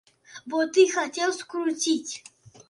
Бо ты хацеў скруціць.